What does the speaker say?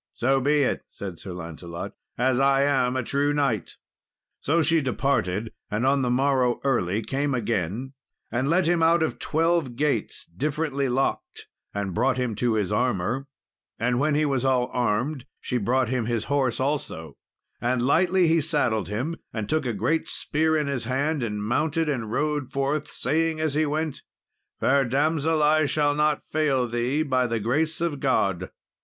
"So be it," said Sir Lancelot, "as I am a true knight." So she departed, and on the morrow, early, came again, and let him out of twelve gates, differently locked, and brought him to his armour; and when he was all armed, she brought him his horse also, and lightly he saddled him, and took a great spear in his hand, and mounted and rode forth, saying, as he went, "Fair damsel, I shall not fail thee, by the grace of God."